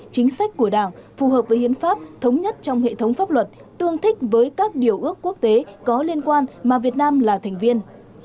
chính sách của đảng phù hợp với hiến pháp thống nhất trong hệ thống pháp luật tương thích với các điều ước quốc tế có liên quan mà việt nam là thành viên